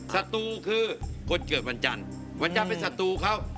ศัตรูคือคนเกิดวันจันทร์วันจันทร์เป็นศัตรูเขา